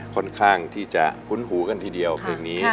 ค่อนข้างที่จะคุ้นหูกันทีเดียวเพลงนี้